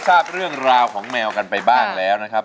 ทั้งในเรื่องของการทำงานเคยทำนานแล้วเกิดปัญหาน้อย